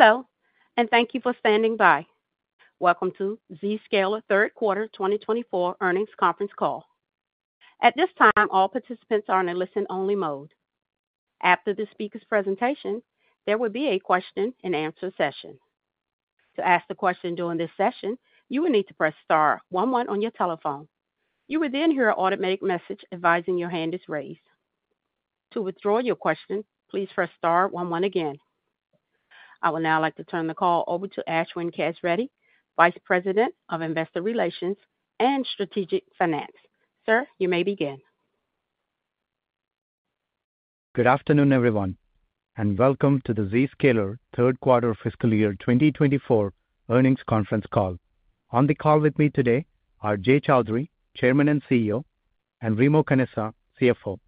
Hello, and thank you for standing by. Welcome to Zscaler Third Quarter 2024 Earnings Conference Call. At this time, all participants are in a listen-only mode. After the speaker's presentation, there will be a question-and-answer session. To ask the question during this session, you will need to press star one one on your telephone. You will then hear an automatic message advising your hand is raised. To withdraw your question, please press star one one again. I would now like to turn the call over to Ashwin Kesireddy, Vice President of Investor Relations and Strategic Finance. Sir, you may begin. Good afternoon, everyone, and welcome to the Zscaler third quarter fiscal year 2024 earnings conference call. On the call with me today are Jay Chaudhry, Chairman and CEO, and Remo Canessa, CFO.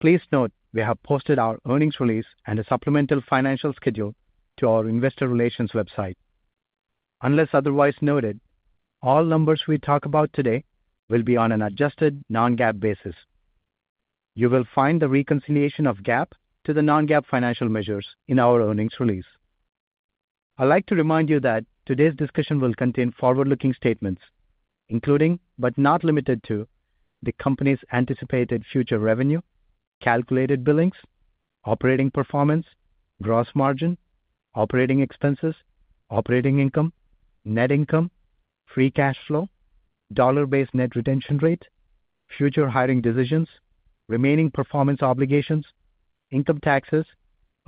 Please note, we have posted our earnings release and a supplemental financial schedule to our investor relations website. Unless otherwise noted, all numbers we talk about today will be on an adjusted non-GAAP basis. You will find the reconciliation of GAAP to the non-GAAP financial measures in our earnings release. I'd like to remind you that today's discussion will contain forward-looking statements, including, but not limited to, the company's anticipated future revenue, calculated billings, operating performance, gross margin, operating expenses, operating income, net income, free cash flow, dollar-based net retention rate, future hiring decisions, remaining performance obligations, income taxes,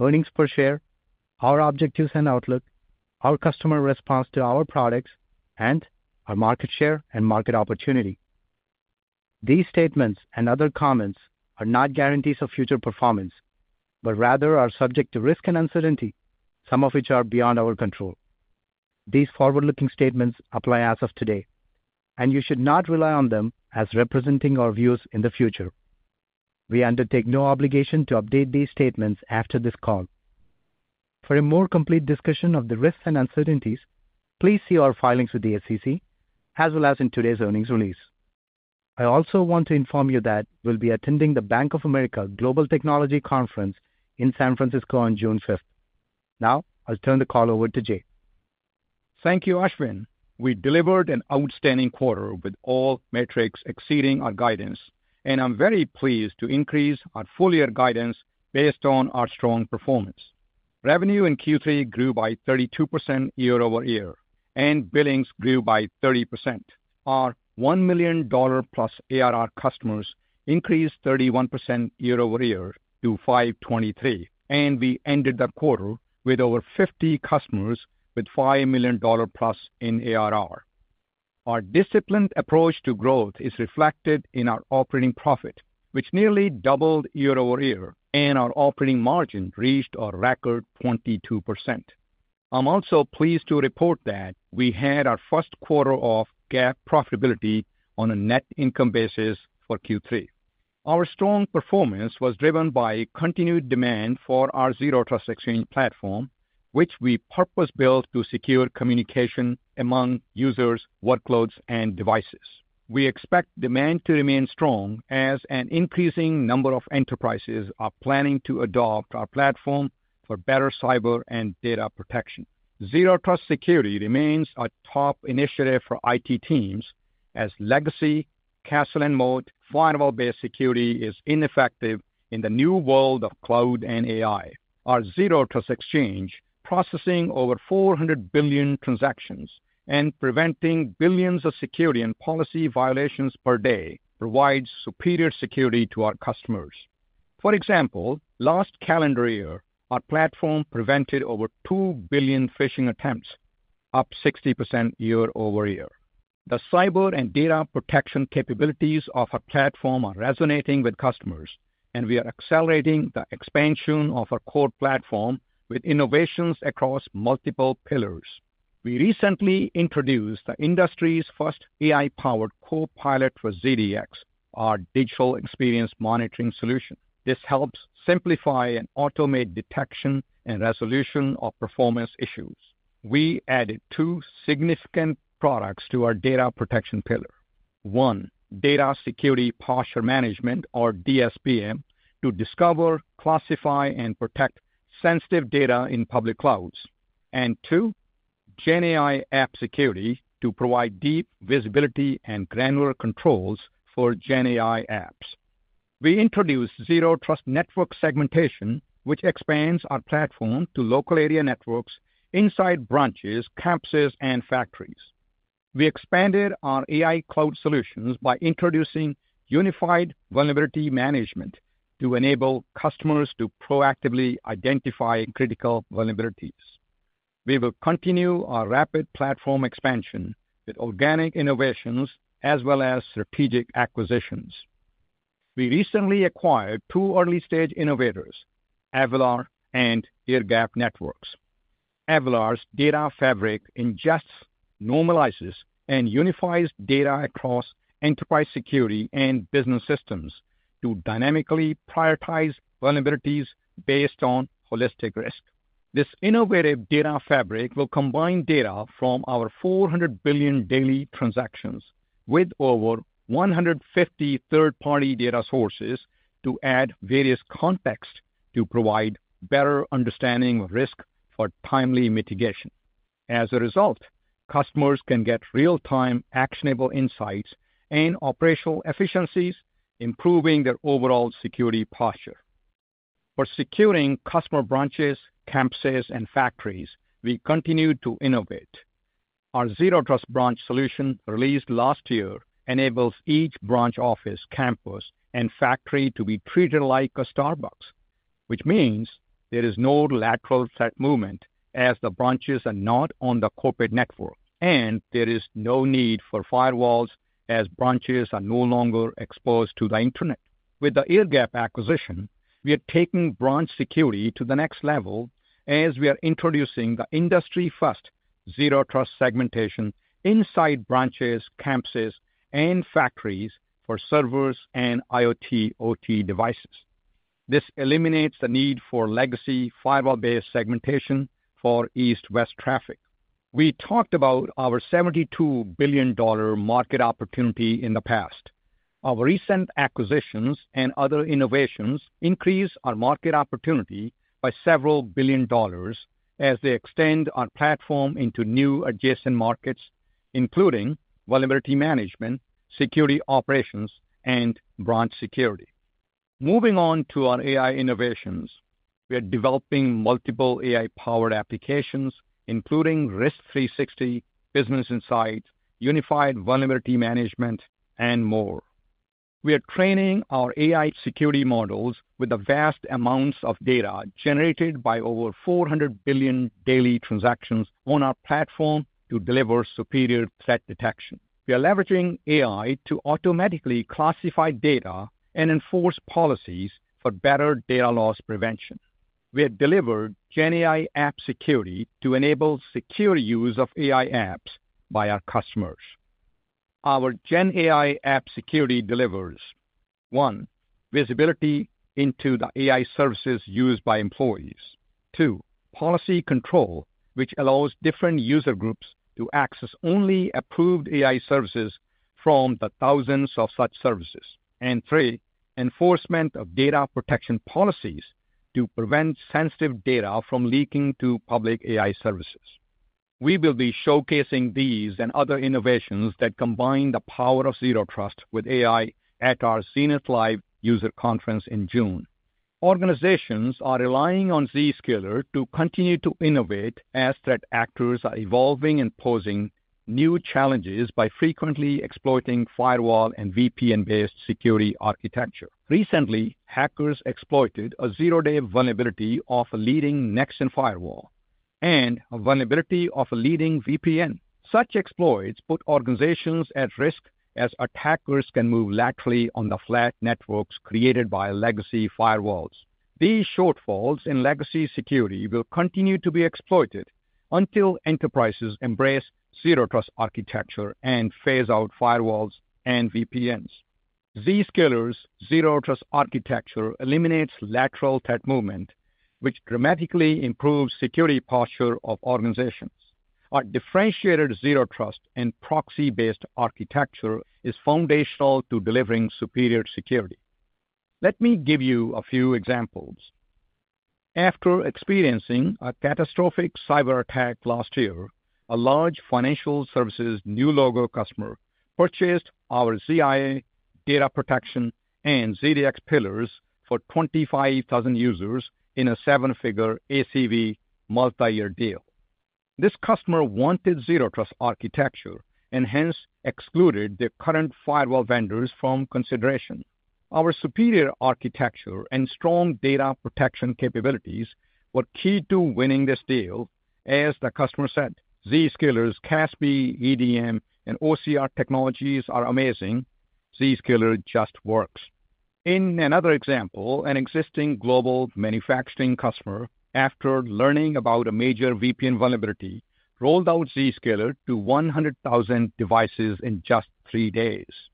earnings per share, our objectives and outlook, our customer response to our products, and our market share and market opportunity. These statements and other comments are not guarantees of future performance, but rather are subject to risk and uncertainty, some of which are beyond our control. These forward-looking statements apply as of today, and you should not rely on them as representing our views in the future. We undertake no obligation to update these statements after this call. For a more complete discussion of the risks and uncertainties, please see our filings with the SEC, as well as in today's earnings release. I also want to inform you that we'll be attending the Bank of America Global Technology Conference in San Francisco on June fifth. Now, I'll turn the call over to Jay. Thank you, Ashwin. We delivered an outstanding quarter with all metrics exceeding our guidance, and I'm very pleased to increase our full-year guidance based on our strong performance. Revenue in Q3 grew by 32% year-over-year, and billings grew by 30%. Our $1 million-plus ARR customers increased 31% year-over-year to 523, and we ended the quarter with over 50 customers with $5 million-plus in ARR. Our disciplined approach to growth is reflected in our operating profit, which nearly doubled year-over-year, and our operating margin reached a record 22%. I'm also pleased to report that we had our first quarter of GAAP profitability on a net income basis for Q3. Our strong performance was driven by continued demand for our Zero Trust Exchange platform, which we purpose-built to secure communication among users, workloads, and devices. We expect demand to remain strong as an increasing number of enterprises are planning to adopt our platform for better cyber and data protection. Zero Trust security remains a top initiative for IT teams as legacy castle-and-moat firewall-based security is ineffective in the new world of cloud and AI. Our Zero Trust Exchange, processing over 400 billion transactions and preventing billions of security and policy violations per day, provides superior security to our customers. For example, last calendar year, our platform prevented over 2 billion phishing attempts, up 60% year-over-year. The cyber and data protection capabilities of our platform are resonating with customers, and we are accelerating the expansion of our core platform with innovations across multiple pillars. We recently introduced the industry's first AI-powered copilot for ZDX, our digital experience monitoring solution. This helps simplify and automate detection and resolution of performance issues. We added two significant products to our data protection pillar. One, Data Security Posture Management or DSPM, to discover, classify, and protect sensitive data in public clouds. And two, GenAI App Security to provide deep visibility and granular controls for GenAI apps. We introduced Zero Trust Network Segmentation, which expands our platform to local area networks inside branches, campuses, and factories. We expanded our AI cloud solutions by introducing Unified Vulnerability Management to enable customers to proactively identify critical vulnerabilities. We will continue our rapid platform expansion with organic innovations as well as strategic acquisitions. We recently acquired two early-stage innovators, Avalor and Airgap Networks. Avalor's data fabric ingests, normalizes, and unifies data across enterprise security and business systems to dynamically prioritize vulnerabilities based on holistic risk. This innovative data fabric will combine data from our 400 billion daily transactions.... with over 150 third-party data sources to add various context to provide better understanding of risk for timely mitigation. As a result, customers can get real-time actionable insights and operational efficiencies, improving their overall security posture. For securing customer branches, campuses, and factories, we continue to innovate. Our Zero Trust Branch solution, released last year, enables each branch, office, campus, and factory to be treated like a Starbucks, which means there is no lateral threat movement, as the branches are not on the corporate network, and there is no need for firewalls, as branches are no longer exposed to the internet. With the Airgap acquisition, we are taking branch security to the next level, as we are introducing the industry-first Zero Trust segmentation inside branches, campuses, and factories for servers and IoT/OT devices. This eliminates the need for legacy firewall-based segmentation for east-west traffic. We talked about our $72 billion market opportunity in the past. Our recent acquisitions and other innovations increase our market opportunity by $several billion, as they extend our platform into new adjacent markets, including vulnerability management, security operations, and branch security. Moving on to our AI innovations. We are developing multiple AI-powered applications, including Risk360, Business Insights, Unified Vulnerability Management, and more. We are training our AI security models with the vast amounts of data generated by over 400 billion daily transactions on our platform to deliver superior threat detection. We are leveraging AI to automatically classify data and enforce policies for better data loss prevention. We have delivered GenAI App Security to enable secure use of AI apps by our customers. Our GenAI App Security delivers, one, visibility into the AI services used by employees. Two, policy control, which allows different user groups to access only approved AI services from the thousands of such services. And three, enforcement of data protection policies to prevent sensitive data from leaking to public AI services. We will be showcasing these and other innovations that combine the power of Zero Trust with AI at our Zenith Live user conference in June. Organizations are relying on Zscaler to continue to innovate, as threat actors are evolving and posing new challenges by frequently exploiting firewall and VPN-based security architecture. Recently, hackers exploited a zero-day vulnerability of a leading next-gen firewall and a vulnerability of a leading VPN. Such exploits put organizations at risk, as attackers can move laterally on the flat networks created by legacy firewalls. These shortfalls in legacy security will continue to be exploited until enterprises embrace Zero Trust architecture and phase out firewalls and VPNs. Zscaler's Zero Trust architecture eliminates lateral threat movement, which dramatically improves security posture of organizations. Our differentiated Zero Trust and proxy-based architecture is foundational to delivering superior security. Let me give you a few examples. After experiencing a catastrophic cyberattack last year, a large financial services new logo customer purchased our ZIA data protection and ZDX pillars for 25,000 users in a seven-figure ACV multiyear deal. This customer wanted Zero Trust architecture and hence excluded their current firewall vendors from consideration. Our superior architecture and strong data protection capabilities were key to winning this deal. As the customer said, "Zscaler's CASB, EDM, and OCR technologies are amazing. Zscaler just works." In another example, an existing global manufacturing customer, after learning about a major VPN vulnerability, rolled out Zscaler to 100,000 devices in just three days.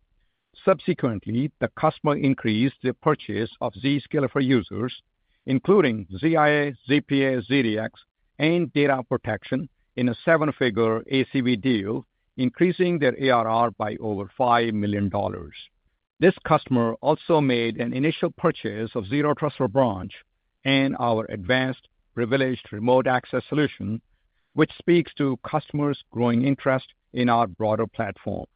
Subsequently, the customer increased their purchase of Zscaler for Users, including ZIA, ZPA, ZDX, and data protection in a seven-figure ACV deal, increasing their ARR by over $5 million. This customer also made an initial purchase of Zero Trust Branch and our advanced Privileged Remote Access solution, which speaks to customers' growing interest in our broader platform.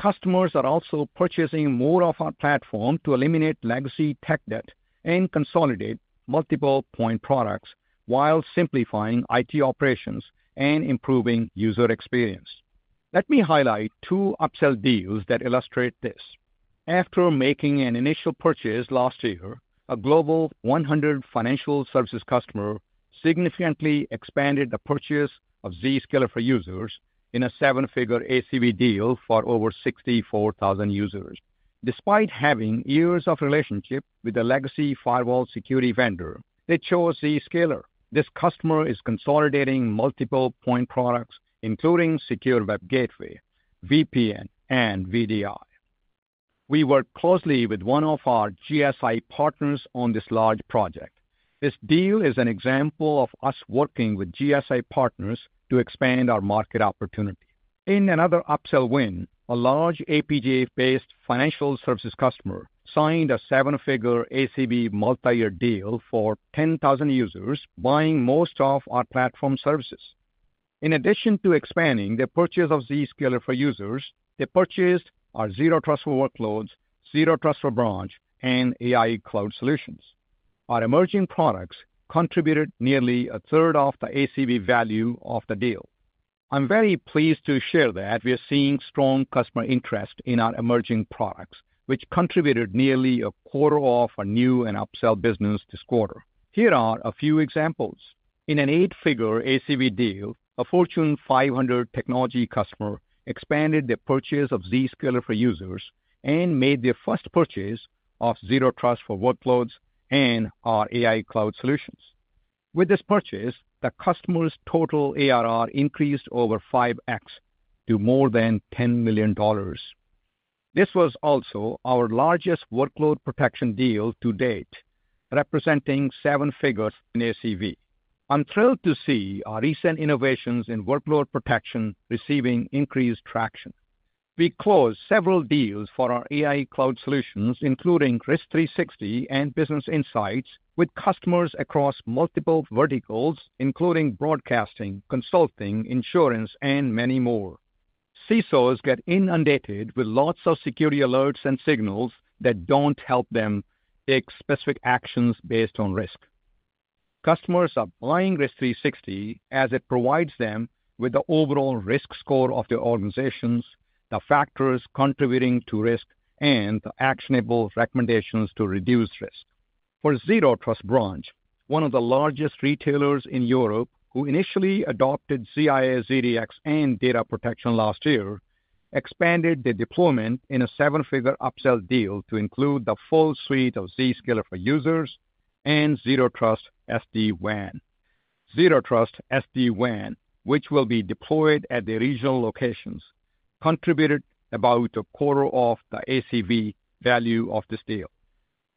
Customers are also purchasing more of our platform to eliminate legacy tech debt and consolidate multiple point products while simplifying IT operations and improving user experience. Let me highlight two upsell deals that illustrate this. After making an initial purchase last year, a Global 100 financial services customer significantly expanded the purchase of Zscaler for Users in a seven-figure ACV deal for over 64,000 users. Despite having years of relationship with a legacy firewall security vendor, they chose Zscaler. This customer is consolidating multiple point products, including Secure Web Gateway, VPN, and VDI. We worked closely with one of our GSI partners on this large project. This deal is an example of us working with GSI partners to expand our market opportunity. In another upsell win, a large APJ-based financial services customer signed a seven-figure ACV multiyear deal for 10,000 users, buying most of our platform services. In addition to expanding the purchase of Zscaler for users, they purchased our Zero Trust for Workloads, Zero Trust Branch, and AI Cloud solutions. Our emerging products contributed nearly a third of the ACV value of the deal. I'm very pleased to share that we are seeing strong customer interest in our emerging products, which contributed nearly a quarter of our new and upsell business this quarter. Here are a few examples: In an eight-figure ACV deal, a Fortune 500 technology customer expanded their purchase of Zscaler for Users and made their first purchase of Zero Trust for Workloads and our AI Cloud solutions. With this purchase, the customer's total ARR increased over 5x to more than $10 million. This was also our largest workload protection deal to date, representing seven figures in ACV. I'm thrilled to see our recent innovations in workload protection receiving increased traction. We closed several deals for our AI Cloud solutions, including Risk360 and Business Insights, with customers across multiple verticals, including broadcasting, consulting, insurance, and many more. CISOs get inundated with lots of security alerts and signals that don't help them take specific actions based on risk. Customers are buying Risk360 as it provides them with the overall risk score of their organizations, the factors contributing to risk, and the actionable recommendations to reduce risk. For Zero Trust Branch, one of the largest retailers in Europe, who initially adopted ZIA, ZDX, and Data Protection last year, expanded their deployment in a seven-figure upsell deal to include the full suite of Zscaler for users and Zero Trust SD-WAN. Zero Trust SD-WAN, which will be deployed at their regional locations, contributed about a quarter of the ACV value of this deal.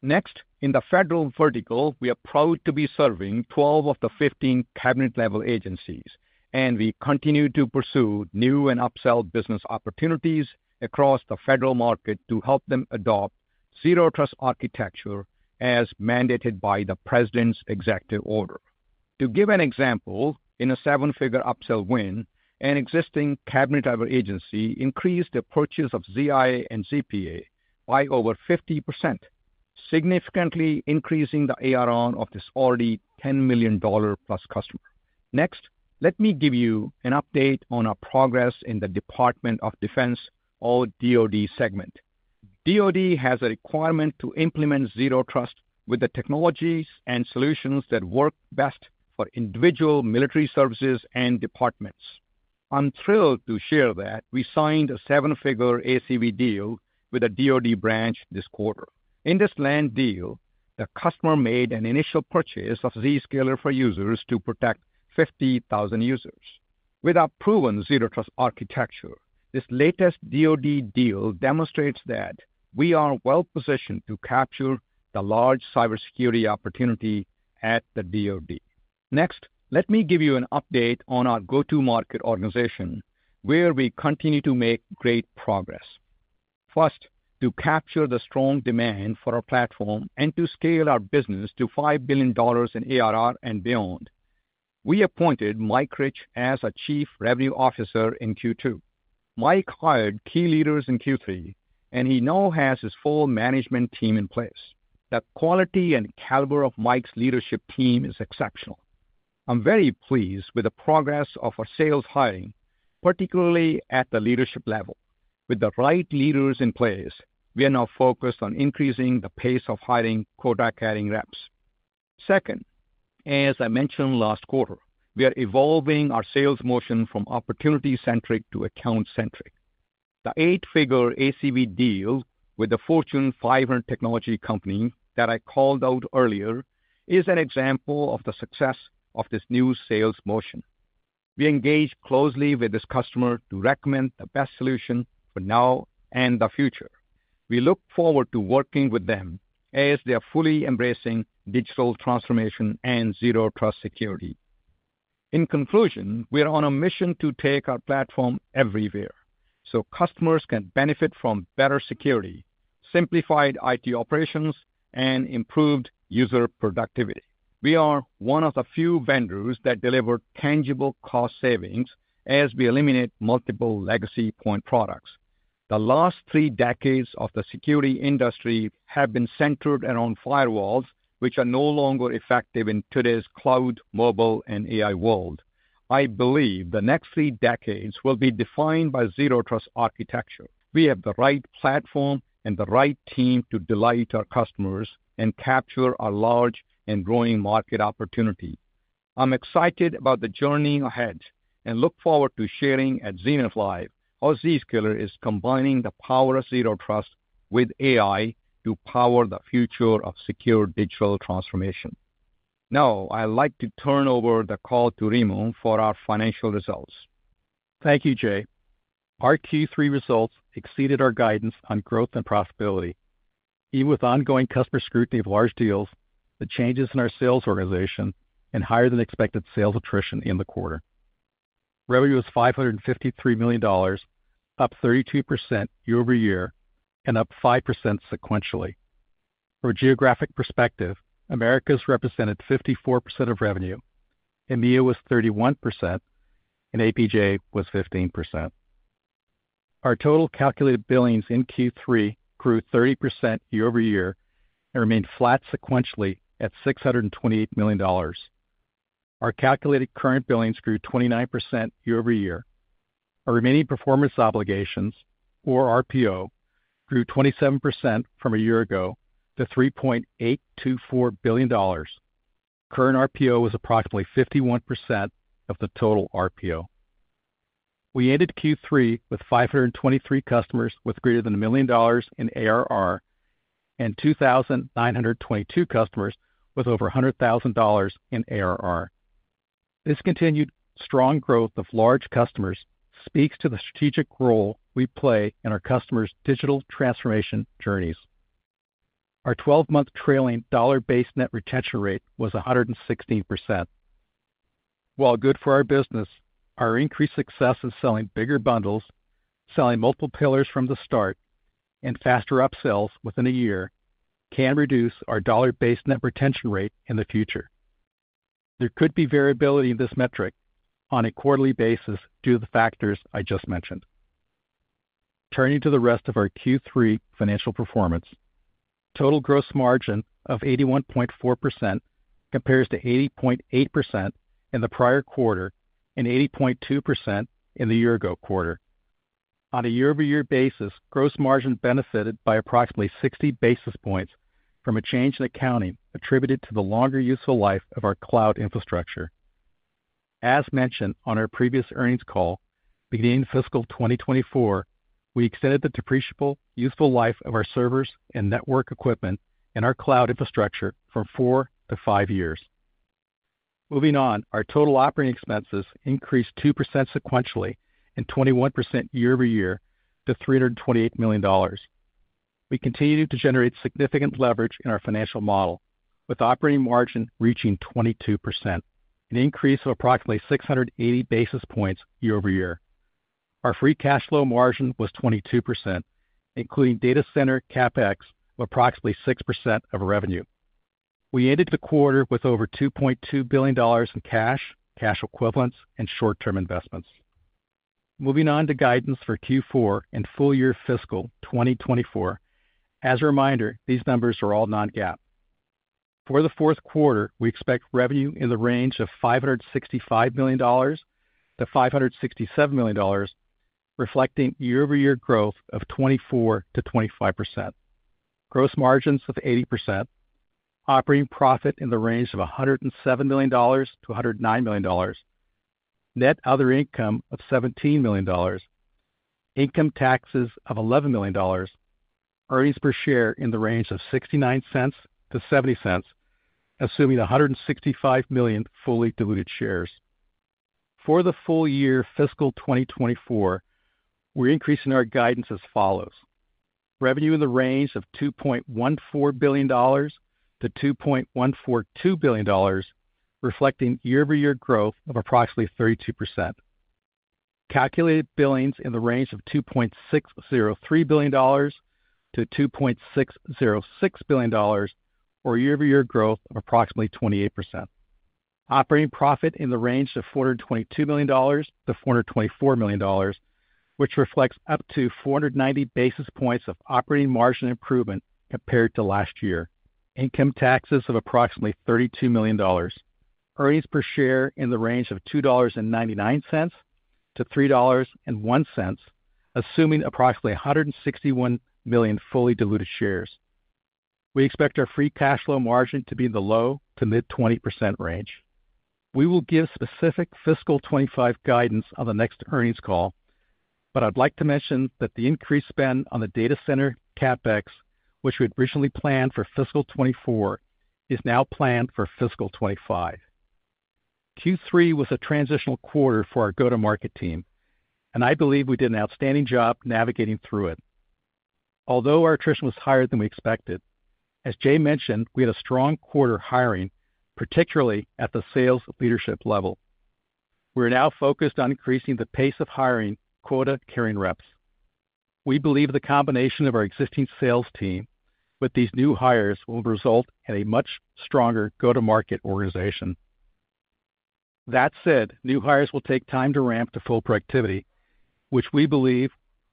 Next, in the federal vertical, we are proud to be serving 12 of the 15 cabinet-level agencies, and we continue to pursue new and upsell business opportunities across the federal market to help them adopt Zero Trust architecture, as mandated by the President's executive order. To give an example, in a seven-figure upsell win, an existing cabinet-level agency increased their purchase of ZIA and ZPA by over 50%, significantly increasing the ARR of this already $10 million-plus customer. Next, let me give you an update on our progress in the Department of Defense or DoD segment. DoD has a requirement to implement Zero Trust with the technologies and solutions that work best for individual military services and departments. I'm thrilled to share that we signed a seven-figure ACV deal with a DoD branch this quarter. In this land deal, the customer made an initial purchase of Zscaler for users to protect 50,000 users. With our proven Zero Trust architecture, this latest DoD deal demonstrates that we are well-positioned to capture the large cybersecurity opportunity at the DoD. Next, let me give you an update on our go-to-market organization, where we continue to make great progress. First, to capture the strong demand for our platform and to scale our business to $5 billion in ARR and beyond, we appointed Mike Rich as our Chief Revenue Officer in Q2. Mike hired key leaders in Q3, and he now has his full management team in place. The quality and caliber of Mike's leadership team is exceptional. I'm very pleased with the progress of our sales hiring, particularly at the leadership level. With the right leaders in place, we are now focused on increasing the pace of hiring quota-carrying reps. Second, as I mentioned last quarter, we are evolving our sales motion from opportunity-centric to account-centric. The eight-figure ACV deal with the Fortune 500 technology company that I called out earlier is an example of the success of this new sales motion. We engaged closely with this customer to recommend the best solution for now and the future. We look forward to working with them as they are fully embracing digital transformation and Zero Trust security. In conclusion, we are on a mission to take our platform everywhere, so customers can benefit from better security, simplified IT operations, and improved user productivity. We are one of the few vendors that deliver tangible cost savings as we eliminate multiple legacy point products. The last three decades of the security industry have been centered around firewalls, which are no longer effective in today's cloud, mobile, and AI world. I believe the next three decades will be defined by Zero Trust architecture. We have the right platform and the right team to delight our customers and capture our large and growing market opportunity. I'm excited about the journey ahead and look forward to sharing at Zenith Live how Zscaler is combining the power of Zero Trust with AI to power the future of secure digital transformation. Now, I'd like to turn over the call to Remo for our financial results. Thank you, Jay. Our Q3 results exceeded our guidance on growth and profitability, even with ongoing customer scrutiny of large deals, the changes in our sales organization, and higher than expected sales attrition in the quarter. Revenue was $553 million, up 32% year-over-year and up 5% sequentially. From a geographic perspective, Americas represented 54% of revenue, EMEA was 31%, and APJ was 15%. Our total calculated billings in Q3 grew 30% year-over-year and remained flat sequentially at $628 million. Our calculated current billings grew 29% year-over-year. Our remaining performance obligations, or RPO, grew 27% from a year ago to $3.824 billion. Current RPO was approximately 51% of the total RPO. We ended Q3 with 523 customers with greater than $1 million in ARR, and 2,922 customers with over $100,000 in ARR. This continued strong growth of large customers speaks to the strategic role we play in our customers' digital transformation journeys. Our twelve-month trailing dollar-based net retention rate was 116%. While good for our business, our increased success in selling bigger bundles, selling multiple pillars from the start, and faster upsells within a year can reduce our dollar-based net retention rate in the future. There could be variability in this metric on a quarterly basis due to the factors I just mentioned. Turning to the rest of our Q3 financial performance. Total gross margin of 81.4% compares to 80.8% in the prior quarter, and 80.2% in the year-ago quarter. On a year-over-year basis, gross margin benefited by approximately 60 basis points from a change in accounting attributed to the longer useful life of our cloud infrastructure. As mentioned on our previous earnings call, beginning fiscal 2024, we extended the depreciable useful life of our servers and network equipment and our cloud infrastructure from four to five years. Moving on, our total operating expenses increased 2% sequentially and 21% year over year to $328 million. We continued to generate significant leverage in our financial model, with operating margin reaching 22%, an increase of approximately 680 basis points year over year. Our free cash flow margin was 22%, including data center CapEx of approximately 6% of revenue. We ended the quarter with over $2.2 billion in cash, cash equivalents, and short-term investments. Moving on to guidance for Q4 and full year fiscal 2024. As a reminder, these numbers are all non-GAAP. For the fourth quarter, we expect revenue in the range of $565 million-$567 million, reflecting year-over-year growth of 24%-25%. Gross margins of 80%, operating profit in the range of $107 million-$109 million, net other income of $17 million, income taxes of $11 million, earnings per share in the range of $0.69-$0.70, assuming 165 million fully diluted shares. For the full year, fiscal 2024, we're increasing our guidance as follows: Revenue in the range of $2.14 billion-$2.142 billion, reflecting year-over-year growth of approximately 32%. Calculated billings in the range of $2.603 billion-$2.606 billion, or year-over-year growth of approximately 28%. Operating profit in the range of $422 million-$424 million, which reflects up to 490 basis points of operating margin improvement compared to last year. Income taxes of approximately $32 million. Earnings per share in the range of $2.99-$3.01, assuming approximately 161 million fully diluted shares. We expect our free cash flow margin to be in the low to mid-20% range. We will give specific fiscal 2025 guidance on the next earnings call, but I'd like to mention that the increased spend on the data center, CapEx, which we had originally planned for fiscal 2024, is now planned for fiscal 2025. Q3 was a transitional quarter for our go-to-market team, and I believe we did an outstanding job navigating through it. Although our attrition was higher than we expected, as Jay mentioned, we had a strong quarter hiring, particularly at the sales leadership level. We are now focused on increasing the pace of hiring quota-carrying reps. We believe the combination of our existing sales team with these new hires will result in a much stronger go-to-market organization. That said, new hires will take time to ramp to full productivity, which we believe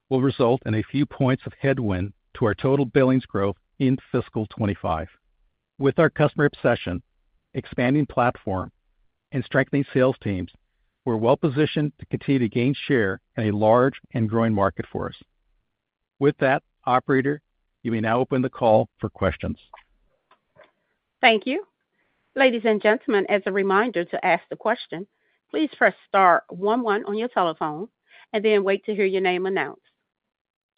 will result in a few points of headwind to our total billings growth in fiscal 2025. With our customer obsession, expanding platform, and strengthening sales teams, we're well positioned to continue to gain share in a large and growing market for us. With that, operator, you may now open the call for questions. Thank you. Ladies and gentlemen, as a reminder to ask the question, please press star one one on your telephone and then wait to hear your name announced.…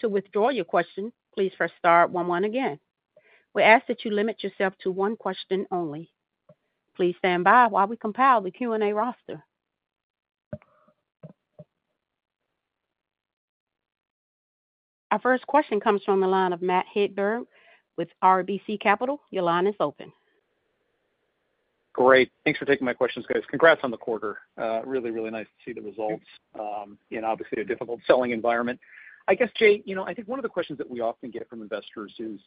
To withdraw your question, please press star one one again. We ask that you limit yourself to one question only. Please stand by while we compile the Q&A roster. Our first question comes from the line of Matt Hedberg with RBC Capital. Your line is open. Great. Thanks for taking my questions, guys. Congrats on the quarter. Really, really nice to see the results in obviously a difficult selling environment. I guess, Jay, you know, I think one of the questions that we often get from investors is,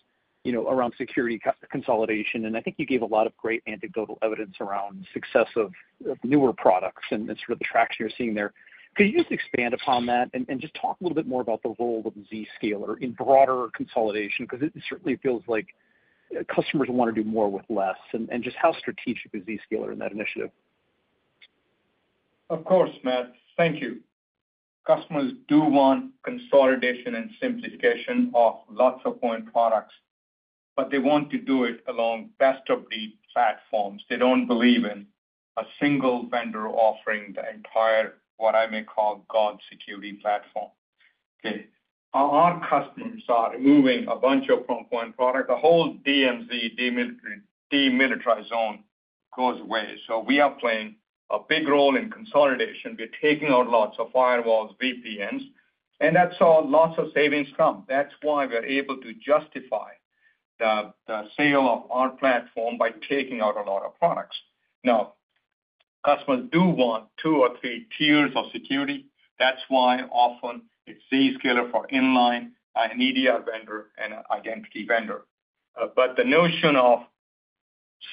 you know, around security consolidation, and I think you gave a lot of great anecdotal evidence around success of newer products and sort of the traction you're seeing there. Could you just expand upon that and just talk a little bit more about the role of Zscaler in broader consolidation? 'Cause it certainly feels like customers wanna do more with less, and just how strategic is Zscaler in that initiative? Of course, Matt, thank you. Customers do want consolidation and simplification of lots of point products, but they want to do it along best-of-breed platforms. They don't believe in a single vendor offering the entire, what I may call, God security platform, okay? Our customers are removing a bunch of point product. The whole DMZ, demilitarized zone, goes away. So we are playing a big role in consolidation. We're taking out lots of firewalls, VPNs, and that's where lots of savings come. That's why we're able to justify the sale of our platform by taking out a lot of products. Now, customers do want two or three tiers of security. That's why often it's Zscaler for inline, an EDR vendor, and an identity vendor. But the notion of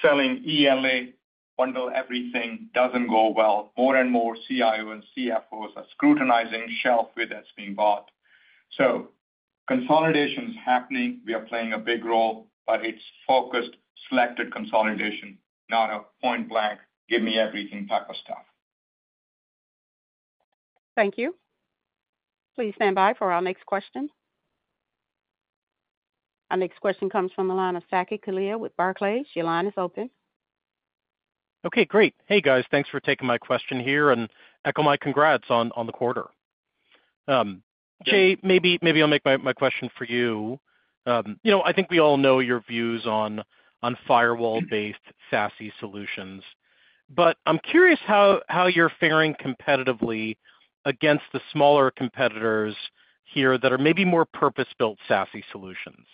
selling ELA, bundle everything, doesn't go well. More and more CIO and CFOs are scrutinizing shelfware that's being bought. So consolidation is happening. We are playing a big role, but it's focused, selected consolidation, not a point-blank, give me everything type of stuff. Thank you. Please stand by for our next question. Our next question comes from the line of Saket Kalia with Barclays. Your line is open. Okay, great. Hey, guys. Thanks for taking my question here, and echo my congrats on the quarter. Jay, maybe I'll make my question for you. You know, I think we all know your views on firewall-based SASE solutions, but I'm curious how you're faring competitively against the smaller competitors here that are maybe more purpose-built SASE solutions.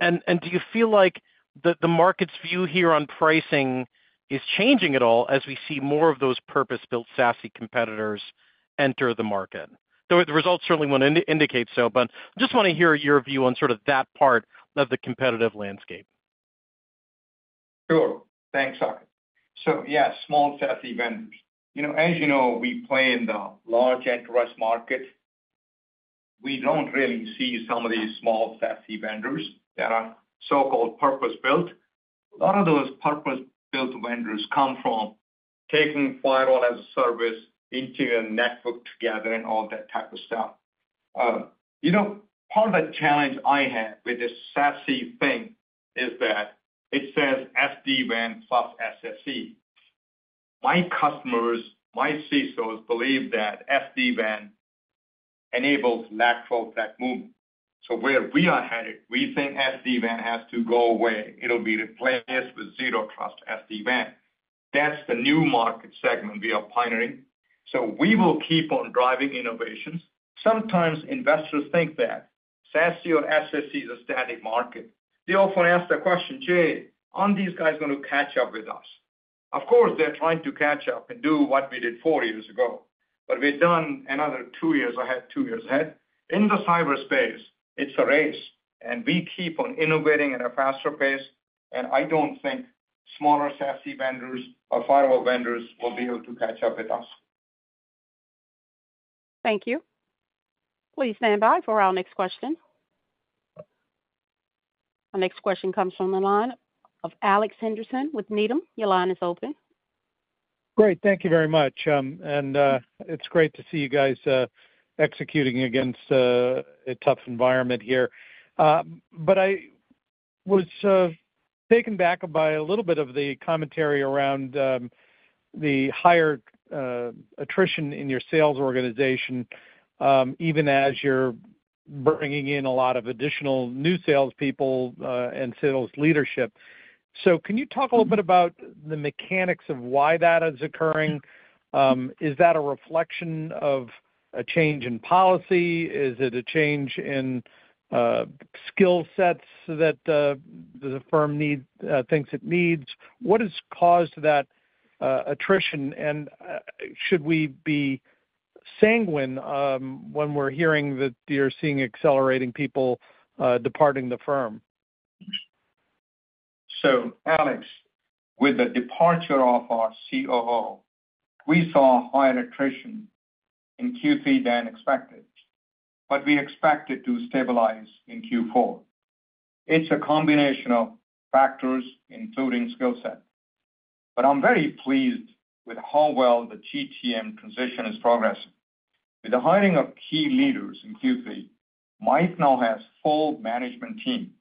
And do you feel like the market's view here on pricing is changing at all, as we see more of those purpose-built SASE competitors enter the market? Though the results certainly wouldn't indicate so, but just wanna hear your view on sort of that part of the competitive landscape. Sure. Thanks, Saket. So yeah, small SASE vendors. You know, as you know, we play in the large enterprise market. We don't really see some of these small SASE vendors that are so-called purpose built. A lot of those purpose-built vendors come from taking firewall as a service into a network together and all that type of stuff. You know, part of the challenge I have with this SASE thing is that it says SD-WAN plus SSE. My customers, my CISOs, believe that SD-WAN enables lateral movement. So where we are headed, we think SD-WAN has to go away. It'll be replaced with Zero Trust SD-WAN. That's the new market segment we are pioneering. So we will keep on driving innovations. Sometimes investors think that SASE or SSE is a static market. They often ask the question, "Jay, aren't these guys gonna catch up with us?" Of course, they're trying to catch up and do what we did four years ago, but we've done another two years ahead, two years ahead. In the cyberspace, it's a race, and we keep on innovating at a faster pace, and I don't think smaller SASE vendors or firewall vendors will be able to catch up with us. Thank you. Please stand by for our next question. Our next question comes from the line of Alex Henderson with Needham. Your line is open. Great. Thank you very much. And it's great to see you guys executing against a tough environment here. But I was taken back by a little bit of the commentary around the higher attrition in your sales organization, even as you're bringing in a lot of additional new sales people and sales leadership. So can you talk a little bit about the mechanics of why that is occurring? Is that a reflection of a change in policy? Is it a change in skill sets that the firm need thinks it needs? What has caused that attrition, and should we be sanguine when we're hearing that you're seeing accelerating people departing the firm? So Alex, with the departure of our COO, we saw higher attrition in Q3 than expected, but we expect it to stabilize in Q4. It's a combination of factors, including skill set. But I'm very pleased with how well the GTM transition is progressing. With the hiring of key leaders in Q3, Mike now has full management team.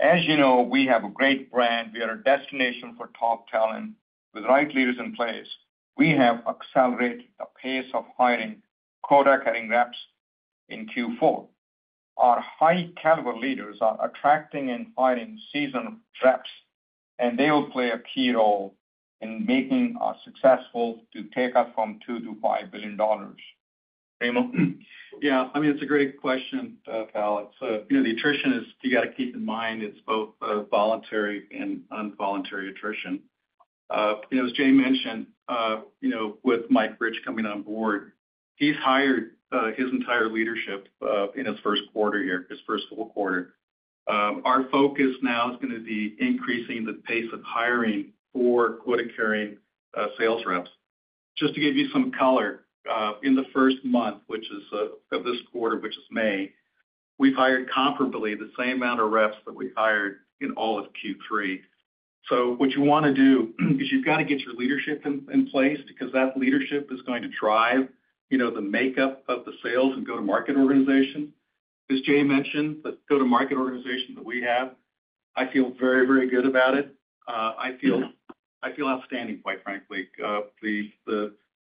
As you know, we have a great brand. We are a destination for top talent. With the right leaders in place, we have accelerated the pace of hiring quota-carrying reps in Q4. Our high caliber leaders are attracting and hiring seasoned reps, and they will play a key role in making us successful to take us from $2 billion-$5 billion. Remo? Yeah, I mean, it's a great question, Tal. So you know, the attrition is, you got to keep in mind, it's both, voluntary and involuntary attrition. You know, as Jay mentioned, you know, with Mike Rich coming on board, he's hired, his entire leadership, in his first quarter here, his first full quarter. Our focus now is gonna be increasing the pace of hiring for quota-carrying, sales reps. Just to give you some color, in the first month, which is, of this quarter, which is May, we've hired comparably the same amount of reps that we hired in all of Q3. So what you wanna do, is you've got to get your leadership in, in place because that leadership is going to drive, you know, the makeup of the sales and go-to-market organization. As Jay mentioned, the go-to-market organization that we have, I feel very, very good about it. I feel, I feel outstanding, quite frankly.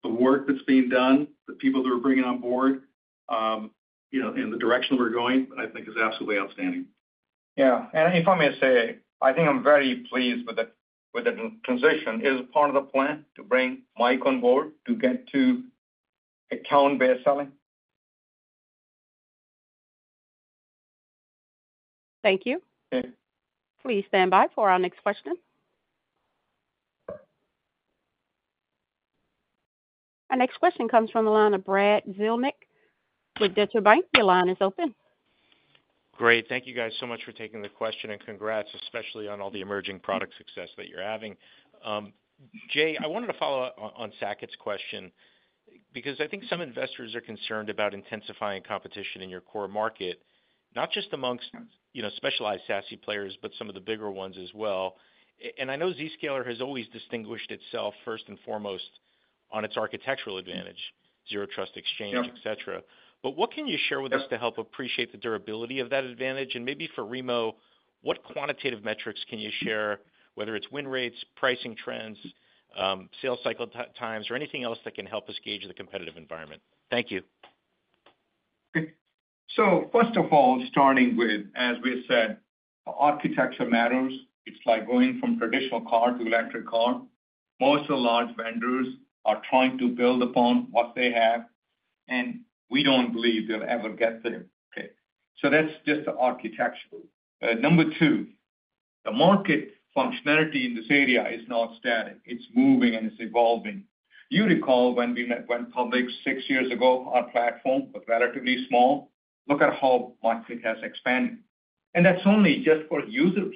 The work that's being done, the people that we're bringing on board, you know, and the direction we're going, I think is absolutely outstanding. Yeah. And if I may say, I think I'm very pleased with the transition. It is part of the plan to bring Mike on board to get to account-based selling. Thank you. Okay. Please stand by for our next question. Our next question comes from the line of Brad Zelnick with Deutsche Bank. Your line is open. Great. Thank you guys so much for taking the question, and congrats, especially on all the emerging product success that you're having. Jay, I wanted to follow up on, on Saket's question, because I think some investors are concerned about intensifying competition in your core market, not just amongst, you know, specialized SASE players, but some of the bigger ones as well. And I know Zscaler has always distinguished itself first and foremost on its architectural advantage, Zero Trust Exchange- Yeah. Et cetera. But what can you share with us to help appreciate the durability of that advantage? And maybe for Remo, what quantitative metrics can you share, whether it's win rates, pricing trends, sales cycle times, or anything else that can help us gauge the competitive environment? Thank you. So first of all, starting with, as we said, architecture matters. It's like going from traditional car to electric car. Most of the large vendors are trying to build upon what they have, and we don't believe they'll ever get there, okay? So that's just the architectural. Number two, the market functionality in this area is not static. It's moving and it's evolving. You recall when we went public six years ago, our platform was relatively small. Look at how the market has expanded, and that's only just for users.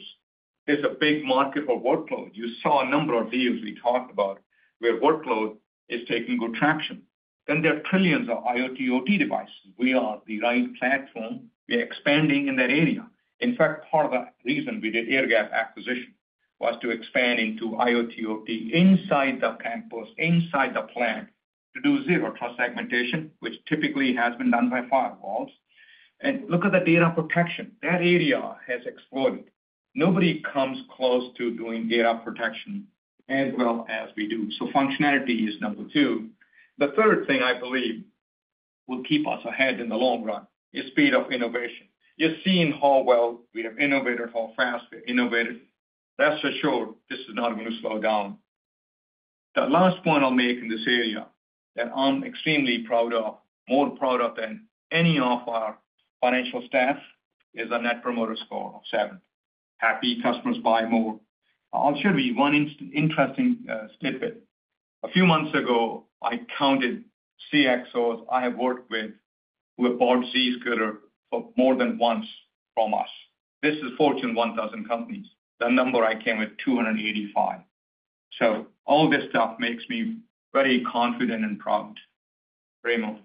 There's a big market for workload. You saw a number of deals we talked about where workload is taking good traction. Then there are trillions of IoT/OT devices. We are the right platform. We are expanding in that area. In fact, part of the reason we did Airgap acquisition was to expand into IoT/OT inside the campus, inside the plant, to do zero trust segmentation, which typically has been done by firewalls. Look at the data protection, that area has exploded. Nobody comes close to doing data protection as well as we do. So functionality is number two. The third thing I believe will keep us ahead in the long run, is speed of innovation. You've seen how well we have innovated, how fast we innovated. Rest assured, this is not going to slow down. The last point I'll make in this area, that I'm extremely proud of, more proud of than any of our financial staff, is our net promoter score of seven. Happy customers buy more. I'll share with you one interesting snippet. A few months ago, I counted CXOs I have worked with, who have bought Zscaler for more than once from us. This is Fortune 1,000 companies. The number I came with, 285. So all this stuff makes me very confident and proud. Remo?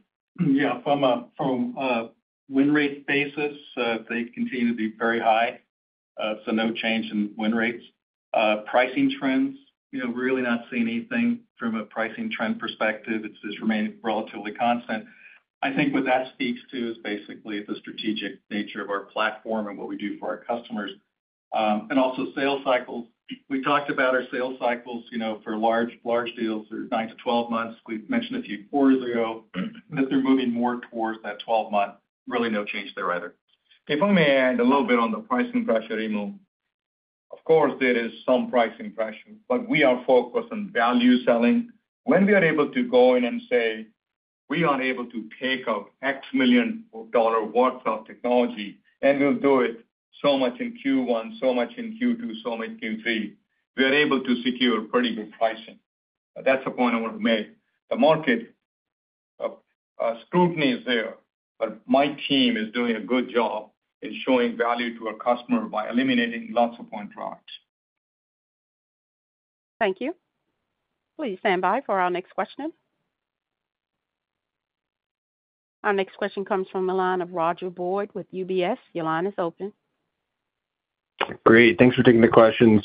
Yeah. From a, from a win rate basis, they continue to be very high. So no change in win rates. Pricing trends, you know, really not seeing anything from a pricing trend perspective. It's just remaining relatively constant. I think what that speaks to is basically the strategic nature of our platform and what we do for our customers. And also sales cycles. We talked about our sales cycles, you know, for large, large deals, they're 9-12 months. We've mentioned a few quarters ago, that they're moving more towards that 12-month. Really no change there either. If I may add a little bit on the pricing pressure, Remo. Of course, there is some pricing pressure, but we are focused on value selling. When we are able to go in and say, "We are able to take out $X million worth of technology, and we'll do it so much in Q1, so much in Q2, so much in Q3," we are able to secure pretty good pricing. That's the point I want to make. The market scrutiny is there, but my team is doing a good job in showing value to our customer by eliminating lots of point products. Thank you. Please stand by for our next question. Our next question comes from the line of Roger Boyd with UBS. Your line is open. Great, thanks for taking the questions....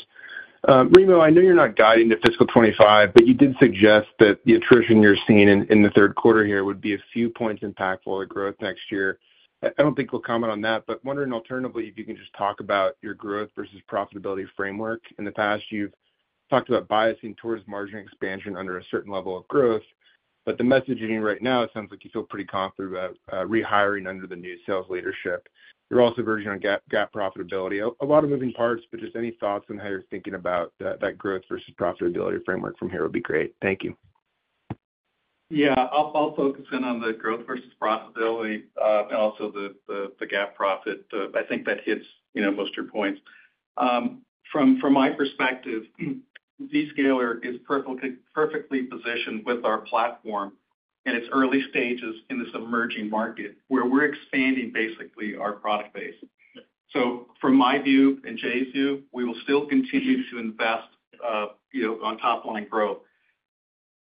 Remo, I know you're not guiding to fiscal 2025, but you did suggest that the attrition you're seeing in the third quarter here would be a few points impactful to growth next year. I don't think we'll comment on that, but wondering alternatively, if you can just talk about your growth versus profitability framework. In the past, you've talked about biasing towards margin expansion under a certain level of growth, but the messaging right now, it sounds like you feel pretty confident about rehiring under the new sales leadership. You're also versed on GAAP profitability. A lot of moving parts, but just any thoughts on how you're thinking about that growth versus profitability framework from here would be great. Thank you. Yeah. I'll focus in on the growth versus profitability, and also the GAAP profit. I think that hits, you know, most of your points. From my perspective, Zscaler is perfectly positioned with our platform in its early stages in this emerging market, where we're expanding basically our product base. So from my view and Jay's view, we will still continue to invest, you know, on top-line growth.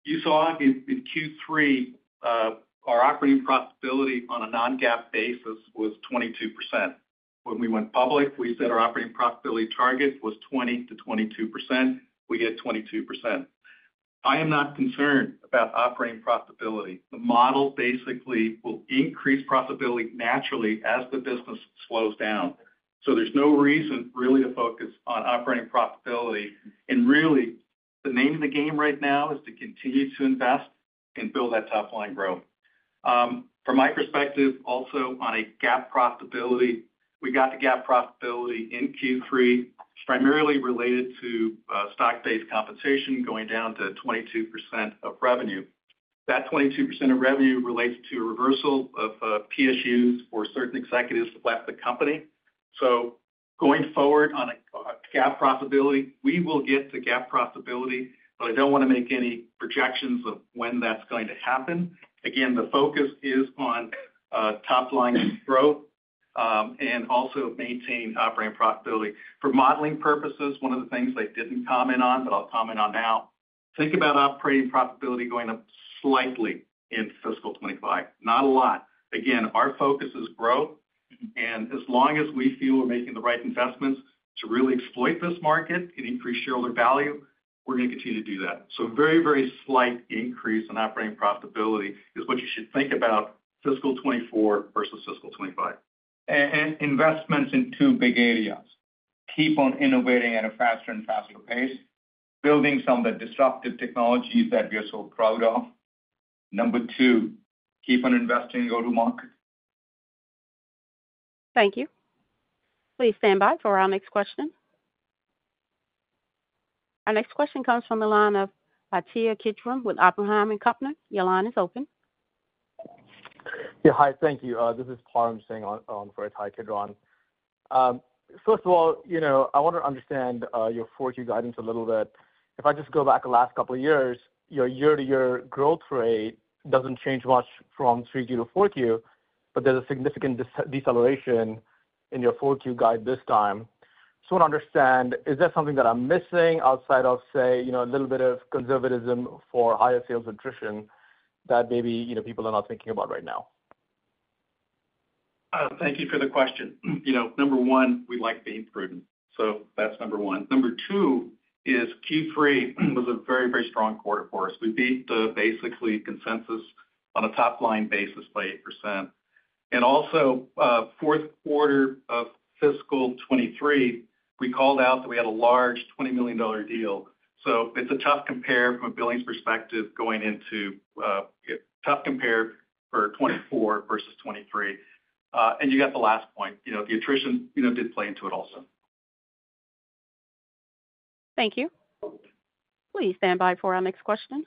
You saw in Q3 our operating profitability on a non-GAAP basis was 22%. When we went public, we said our operating profitability target was 20%-22%. We hit 22%. I am not concerned about operating profitability. The model basically will increase profitability naturally as the business slows down. So there's no reason really to focus on operating profitability, and really, the name of the game right now is to continue to invest and build that top-line growth. From my perspective, also, on a GAAP profitability, we got the GAAP profitability in Q3, primarily related to stock-based compensation going down to 22% of revenue. That 22% of revenue relates to a reversal of PSUs for certain executives who left the company. So going forward on a GAAP profitability, we will get to GAAP profitability, but I don't wanna make any projections of when that's going to happen. Again, the focus is on top-line growth, and also maintain operating profitability. For modeling purposes, one of the things I didn't comment on, but I'll comment on now, think about operating profitability going up slightly in fiscal 2025. Not a lot. Again, our focus is growth, and as long as we feel we're making the right investments to really exploit this market and increase shareholder value, we're gonna continue to do that. So very, very slight increase in operating profitability is what you should think about fiscal 2024 versus fiscal 2025. And investments in two big areas: keep on innovating at a faster and faster pace, building some of the disruptive technologies that we are so proud of. Number two, keep on investing in go-to-market. Thank you. Please stand by for our next question. Our next question comes from the line of Ittai Kidron with Oppenheimer and Company. Your line is open. Yeah, hi. Thank you. This is Param Singh on for Ittai Kidron. First of all, you know, I want to understand your Q4 guidance a little bit. If I just go back the last couple of years, your year-to-year growth rate doesn't change much from Q3 to Q4, but there's a significant deceleration in your Q4 guide this time. Just want to understand, is that something that I'm missing outside of, say, you know, a little bit of conservatism for higher sales attrition that maybe, you know, people are not thinking about right now? Thank you for the question. You know, number one, we like being prudent, so that's number one. Number two is Q3 was a very, very strong quarter for us. We beat the basically consensus on a top-line basis by 8%. And also, fourth quarter of fiscal 2023, we called out that we had a large $20 million deal. So it's a tough compare from a billings perspective going into a tough compare for 2024 versus 2023. And you got the last point. You know, the attrition, you know, did play into it also. Thank you. Please stand by for our next question.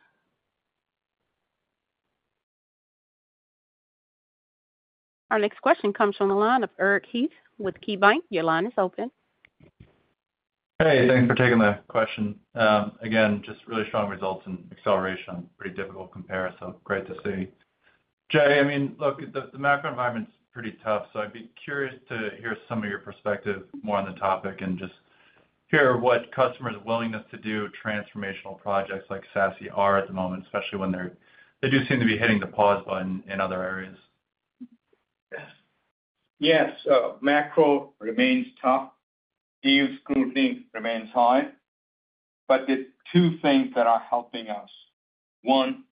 Our next question comes from the line of Eric Heath with KeyBanc. Your line is open. Hey, thanks for taking the question. Again, just really strong results and acceleration. Pretty difficult comparison. Great to see. Jay, I mean, look, the macro environment's pretty tough, so I'd be curious to hear some of your perspective more on the topic and just hear what customers' willingness to do transformational projects like SASE are at the moment, especially when they do seem to be hitting the pause button in other areas. Yes. Yes, macro remains tough. Deal scrutiny remains high, but there are two things that are helping us. One,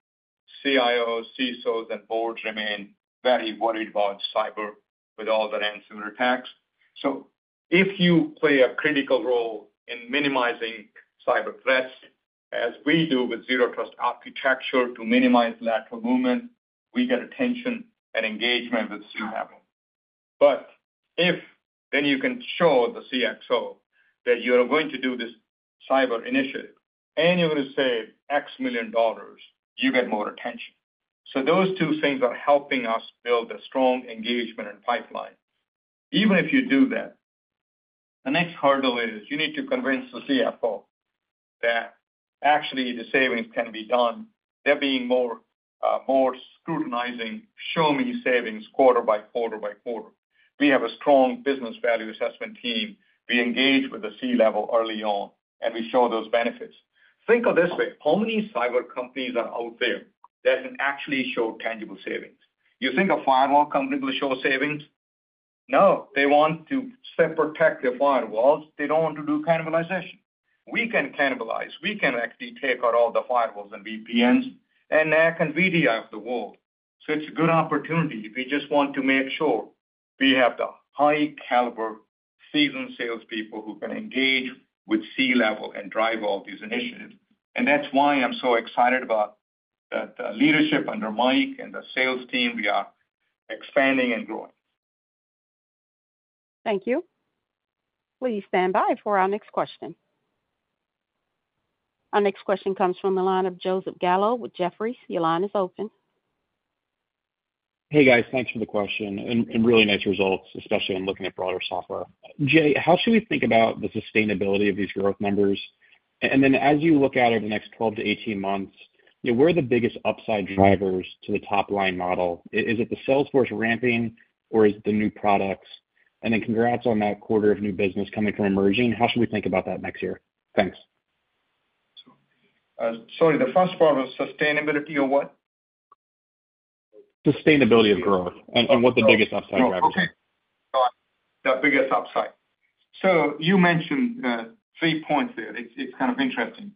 CIOs, CSOs, and boards remain very worried about cyber with all the ransomware attacks. So if you play a critical role in minimizing cyber threats, as we do with zero trust architecture to minimize lateral movement, we get attention and engagement with C-level. But if then you can show the CXO that you are going to do this cyber initiative and you're gonna save $X million, you get more attention. So those two things are helping us build a strong engagement and pipeline. Even if you do that, the next hurdle is you need to convince the CFO that actually the savings can be done. They're being more scrutinizing, "Show me savings quarter by quarter by quarter." We have a strong business value assessment team. We engage with the C-level early on, and we show those benefits. Think of it this way: How many cyber companies are out there that can actually show tangible savings? You think a firewall company will show savings?... No, they want to separate protective firewalls. They don't want to do cannibalization. We can cannibalize. We can actually take out all the firewalls and VPNs and the VDI of the world. So it's a good opportunity. We just want to make sure we have the high caliber, seasoned salespeople who can engage with C-level and drive all these initiatives. And that's why I'm so excited about the, the leadership under Mike and the sales team. We are expanding and growing. Thank you. Please stand by for our next question. Our next question comes from the line of Joseph Gallo with Jefferies. Your line is open. Hey, guys. Thanks for the question, and really nice results, especially when looking at broader software. Jay, how should we think about the sustainability of these growth numbers? And then as you look out over the next 12-18 months, where are the biggest upside drivers to the top line model? Is it the sales force ramping, or is it the new products? And then congrats on that quarter of new business coming from emerging. How should we think about that next year? Thanks. Sorry, the first part was sustainability of what? Sustainability of growth and what the biggest upside driver is. Okay. Got it. The biggest upside. So you mentioned three points there. It's kind of interesting.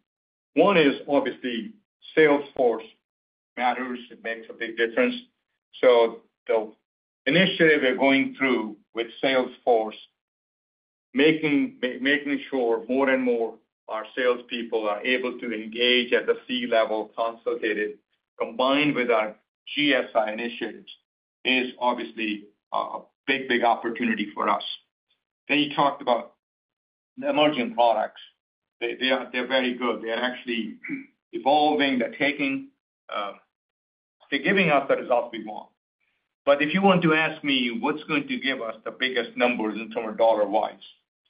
One is obviously sales force matters. It makes a big difference. So the initiative we're going through with sales force, making sure more and more our salespeople are able to engage at the C-level, consulted, combined with our GSI initiatives, is obviously a big opportunity for us. Then you talked about the emerging products. They're very good. They are actually evolving. They're taking. They're giving us the results we want. But if you want to ask me what's going to give us the biggest numbers in terms of dollar-wise,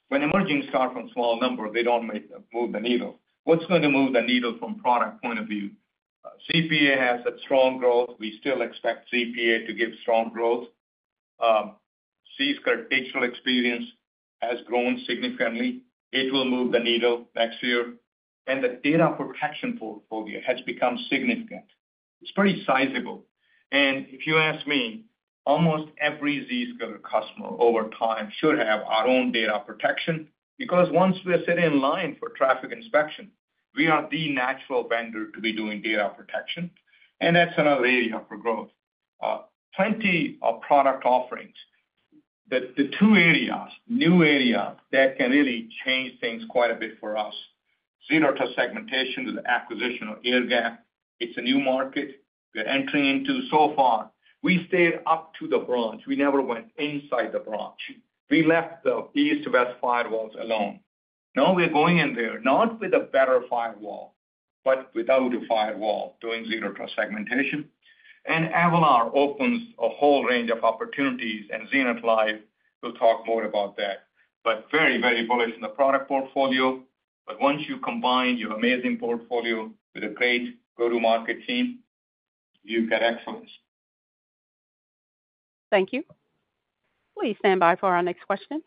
when emerging start from small numbers, they don't move the needle. What's going to move the needle from product point of view? ZPA has a strong growth. We still expect ZPA to give strong growth. Zscaler Digital Experience has grown significantly. It will move the needle next year, and the data protection portfolio has become significant. It's pretty sizable, and if you ask me, almost every Zscaler customer over time should have our own data protection, because once we're sitting in line for traffic inspection, we are the natural vendor to be doing data protection, and that's another area for growth. Plenty of product offerings. The two new areas that can really change things quite a bit for us, zero-trust segmentation with the acquisition of Airgap. It's a new market we're entering into. So far, we stayed up to the branch. We never went inside the branch. We left the east to west firewalls alone. Now we're going in there, not with a better firewall, but without a firewall, doing zero-trust segmentation. Avalor opens a whole range of opportunities, and Zenith Live, we'll talk more about that. Very, very bullish in the product portfolio. Once you combine your amazing portfolio with a great go-to-market team, you get excellence. Thank you. Please stand by for our next question.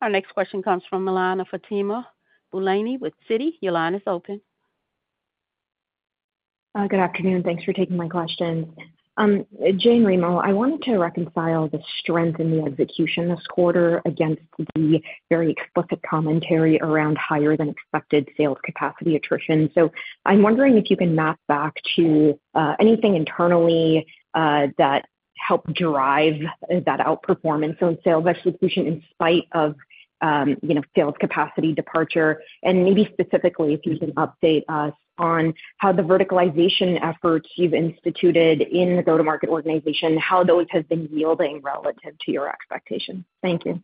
Our next question comes from the line of Fatima Boolani with Citi. Your line is open. Good afternoon. Thanks for taking my question. Jay and Remo, I wanted to reconcile the strength in the execution this quarter against the very explicit commentary around higher than expected sales capacity attrition. So I'm wondering if you can map back to anything internally that helped drive that outperformance on sales execution, in spite of, you know, sales capacity departure, and maybe specifically, if you can update us on how the verticalization efforts you've instituted in the go-to-market organization, how those have been yielding relative to your expectations. Thank you.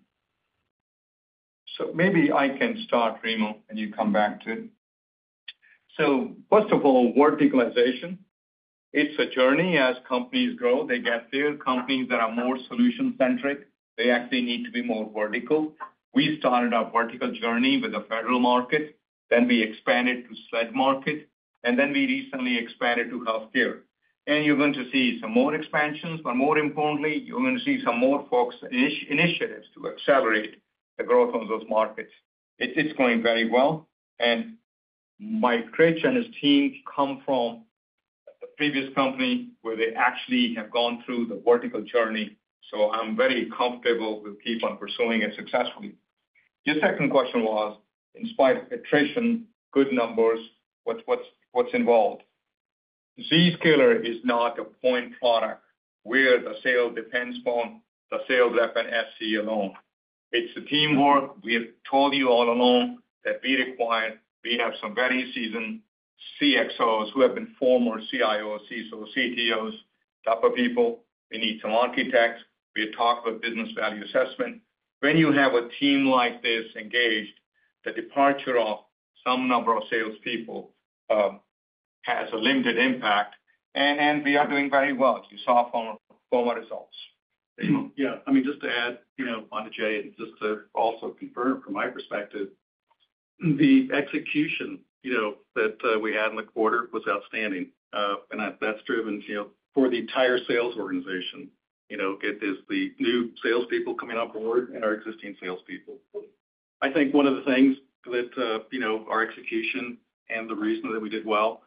So maybe I can start, Remo, and you come back to it. So first of all, verticalization, it's a journey as companies grow, they get there. Companies that are more solution-centric, they actually need to be more vertical. We started our vertical journey with the federal market, then we expanded to SLED market, and then we recently expanded to healthcare. And you're going to see some more expansions, but more importantly, you're going to see some more focused initiatives to accelerate the growth on those markets. It's going very well, and Mike Rich and his team come from a previous company where they actually have gone through the vertical journey, so I'm very comfortable with Keith on pursuing it successfully. Your second question was, in spite of attrition, good numbers, what's involved? Zscaler is not a point product where the sale depends on the sales rep and SE alone. It's the teamwork. We have told you all along that we require. We have some very seasoned CXOs who have been former CIO, CSO, CTOs, type of people. We need some architects. We talk about business value assessment. When you have a team like this engaged, the departure of some number of salespeople has a limited impact, and we are doing very well, as you saw from our results. Yeah, I mean, just to add, you know, onto Jay, and just to also confirm from my perspective, the execution, you know, that we had in the quarter was outstanding, and that's driven, you know, for the entire sales organization. You know, it is the new salespeople coming on board and our existing salespeople. I think one of the things with you know, our execution and the reason that we did well,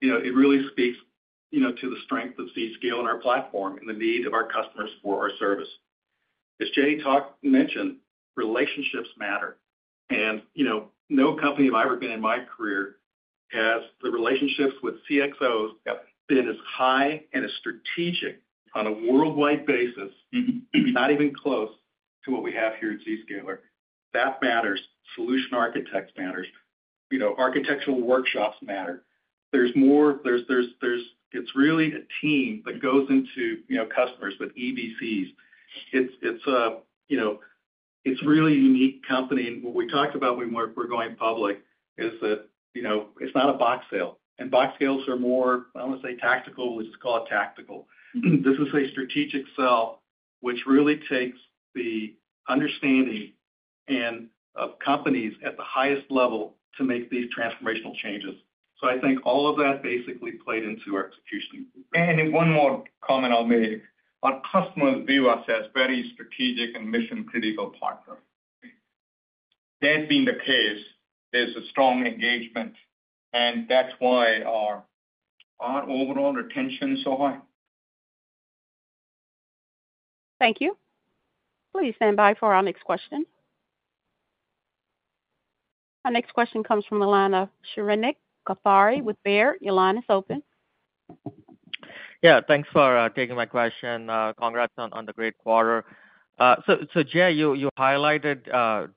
you know, it really speaks, you know, to the strength of Zscaler and our platform, and the need of our customers for our service. As Jay talked, mentioned, relationships matter. And, you know, no company I've ever been in my career has the relationships with CXOs have been as high and as strategic on a worldwide basis, not even close to what we have here at Zscaler. That matters. Solution architects matters. You know, architectural workshops matter. There's more. It's really a team that goes into, you know, customers with EBCs. It's, you know, it's a really unique company, and what we talked about when we're going public is that, you know, it's not a box sale, and box sales are more, I want to say, tactical. Let's just call it tactical. This is a strategic sell, which really takes the understanding and of companies at the highest level to make these transformational changes. So I think all of that basically played into our execution. One more comment I'll make. Our customers view us as very strategic and mission-critical partner. That being the case, there's a strong engagement, and that's why our overall retention is so high. Thank you. Please stand by for our next question. Our next question comes from the line of Shrenik Kothari with Baird. Your line is open. Yeah, thanks for taking my question. Congrats on the great quarter. So, Jay, you highlighted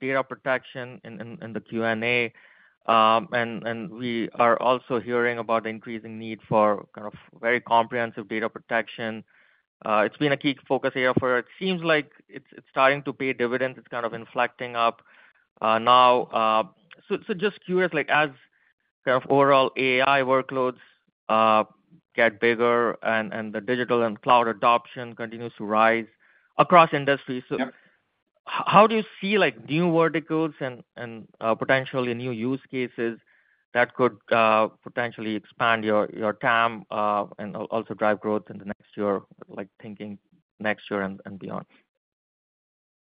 data protection in the Q&A, and we are also hearing about the increasing need for kind of very comprehensive data protection. It's been a key focus area for it. Seems like it's starting to pay dividends. It's kind of inflecting up now. So, just curious, like, as kind of overall AI workloads get bigger and the digital and cloud adoption continues to rise across industries- Yeah. So how do you see, like, new verticals and potentially new use cases that could potentially expand your TAM and also drive growth in the next year, like thinking next year and beyond?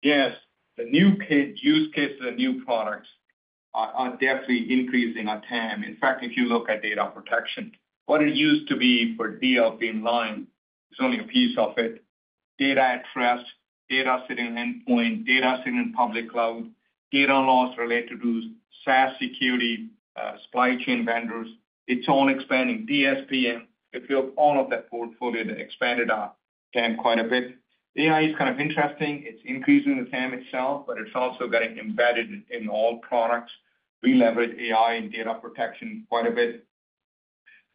Yes. The new use cases and new products are definitely increasing our TAM. In fact, if you look at data protection, what it used to be for inline DLP is only a piece of it. Data at rest, data sitting in endpoint, data sitting in public cloud, data loss related to SaaS security, supply chain vendors, it's all expanding. DSP and if you have all of that portfolio, that expanded our TAM quite a bit. AI is kind of interesting. It's increasing the TAM itself, but it's also getting embedded in all products. We leverage AI and data protection quite a bit.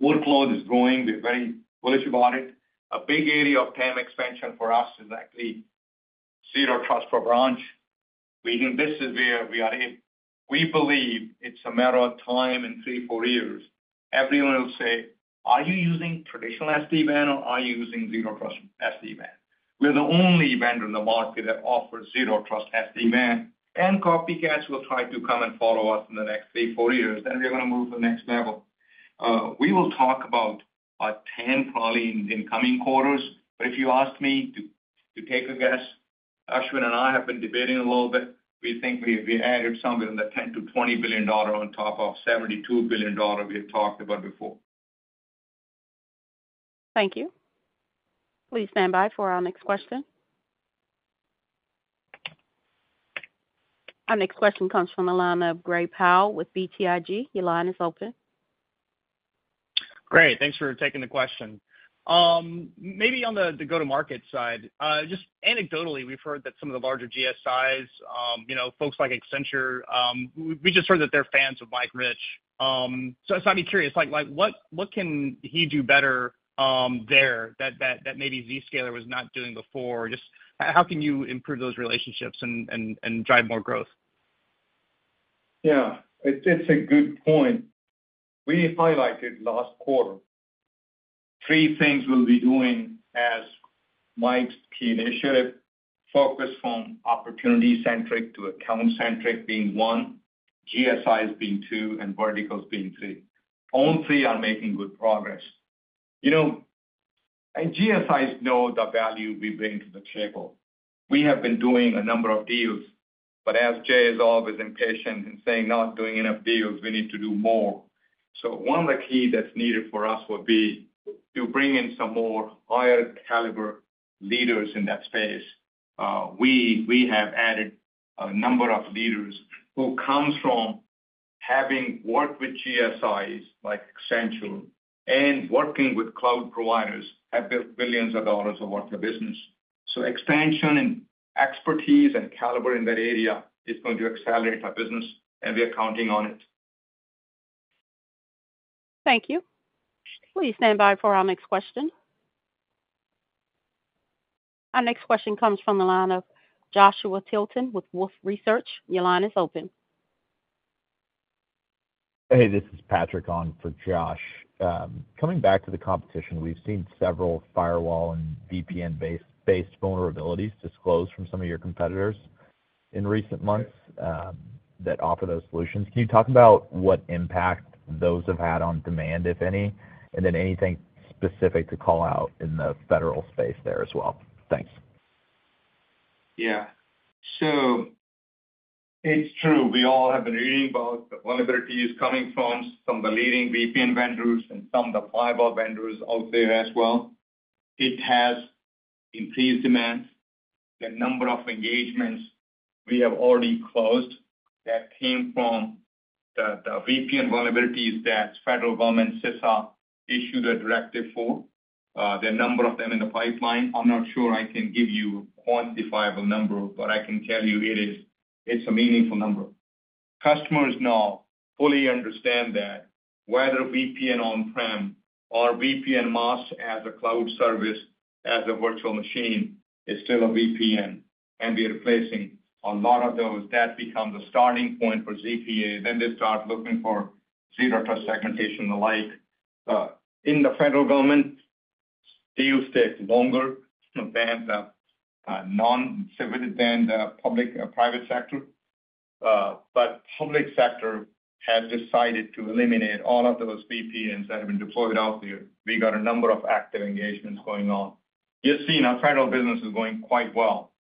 Workload is growing. We're very bullish about it. A big area of TAM expansion for us is actually zero trust for branch. We think this is where we are in... We believe it's a matter of time, in 3-4 years, everyone will say, "Are you using traditional SD-WAN or are you using Zero Trust SD-WAN?" We're the only vendor in the market that offers Zero Trust SD-WAN, and copycats will try to come and follow us in the next 3-4 years, then we're going to move to the next level. We will talk about our TAM probably in coming quarters, but if you ask me to take a guess, Ashwin and I have been debating a little bit. We think we added somewhere in the $10-$20 billion on top of $72 billion we had talked about before. Thank you. Please stand by for our next question. Our next question comes from the line of Gray Powell with BTIG. Your line is open. Great, thanks for taking the question. Maybe on the, the go-to-market side, just anecdotally, we've heard that some of the larger GSIs, you know, folks like Accenture, we just heard that they're fans of Mike Rich. So, so I'd be curious, like, like what, what can he do better, there, that, that, that maybe Zscaler was not doing before? Just how, how can you improve those relationships and, and, and drive more growth? Yeah, it's a good point. We highlighted last quarter three things we'll be doing as Mike's key initiative, focus from opportunity centric to account centric being one, GSIs being two, and verticals being three. All three are making good progress. You know, and GSIs know the value we bring to the table. We have been doing a number of deals, but as Jay is always impatient in saying, "Not doing enough deals, we need to do more." So one of the key that's needed for us would be to bring in some more higher caliber leaders in that space. We have added a number of leaders who comes from having worked with GSIs like Accenture and working with cloud providers, have built billions of dollars of work in the business. Expansion and expertise and caliber in that area is going to accelerate our business, and we are counting on it. Thank you. Please stand by for our next question. Our next question comes from the line of Joshua Tilton with Wolfe Research. Your line is open. Hey, this is Patrick on for Josh. Coming back to the competition, we've seen several firewall and VPN-based vulnerabilities disclosed from some of your competitors in recent months.... that offer those solutions. Can you talk about what impact those have had on demand, if any? And then anything specific to call out in the federal space there as well? Thanks. Yeah. So it's true, we all have been reading about the vulnerabilities coming from some of the leading VPN vendors and some of the firewall vendors out there as well. It has increased demand. The number of engagements we have already closed that came from the VPN vulnerabilities that federal government, CISA, issued a directive for, the number of them in the pipeline, I'm not sure I can give you quantifiable number, but I can tell you it is, it's a meaningful number. Customers now fully understand that whether VPN on-prem or VPNaaS as a cloud service, as a virtual machine, is still a VPN, and we are replacing a lot of those. That becomes a starting point for ZPA, then they start looking for zero trust segmentation, the like. In the federal government, deals take longer than the private sector. But public sector has decided to eliminate all of those VPNs that have been deployed out there. We got a number of active engagements going on. You've seen our federal business is going quite well.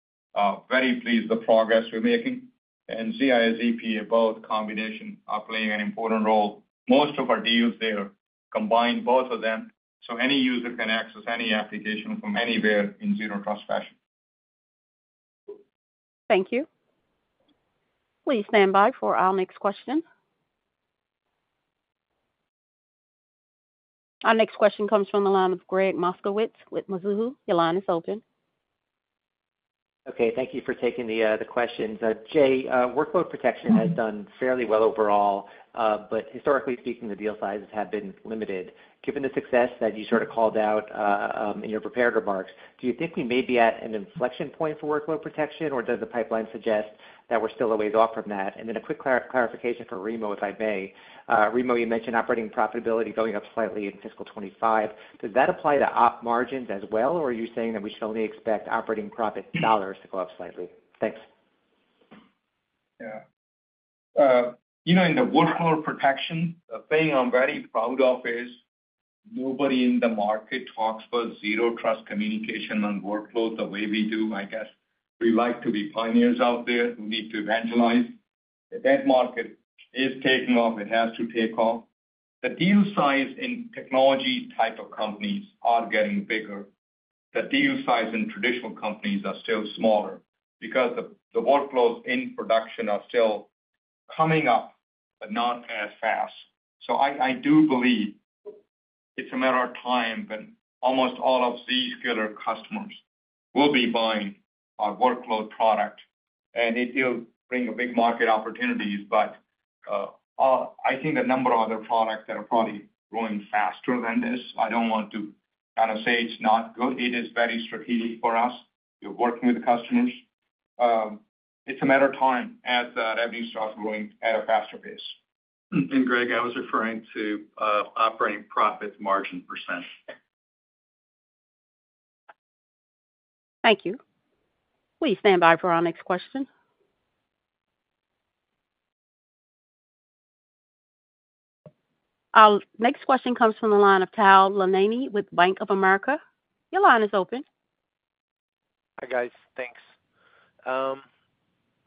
Very pleased the progress we're making, and ZIA, ZPA, both combination are playing an important role. Most of our deals there combine both of them, so any user can access any application from anywhere in Zero Trust fashion. Thank you. Please stand by for our next question. Our next question comes from the line of Gregg Moskowitz with Mizuho. Your line is open. Okay, thank you for taking the questions. Jay, workload protection has done fairly well overall, but historically speaking, the deal sizes have been limited. Given the success that you sort of called out in your prepared remarks, do you think we may be at an inflection point for workload protection, or does the pipeline suggest that we're still a ways off from that? And then a quick clarification for Remo, if I may. Remo, you mentioned operating profitability going up slightly in fiscal 2025. Does that apply to op margins as well, or are you saying that we should only expect operating profit dollars to go up slightly? Thanks. Yeah. You know, in the workload protection, the thing I'm very proud of is nobody in the market talks about Zero Trust communication on workload the way we do. I guess we like to be pioneers out there. We need to evangelize. That market is taking off. It has to take off. The deal size in technology type of companies are getting bigger. The deal size in traditional companies are still smaller because the workloads in production are still coming up, but not as fast. So I do believe it's a matter of time when almost all of Zscaler customers will be buying our workload product, and it will bring big market opportunities. But, I think a number of other products that are probably growing faster than this. I don't want to kind of say it's not good. It is very strategic for us. We're working with the customers. It's a matter of time as the revenue starts growing at a faster pace. Greg, I was referring to operating profit margin percent. Thank you. Please stand by for our next question. Our next question comes from the line of Tal Liani with Bank of America. Your line is open. Hi, guys. Thanks.